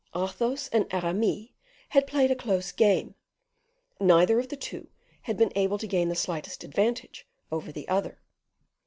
Athos and Aramis had played a close game; neither of the two had been able to gain the slightest advantage over the other.